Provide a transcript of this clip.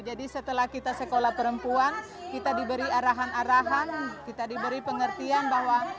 jadi setelah kita sekolah perempuan kita diberi arahan arahan kita diberi pengertian bahwa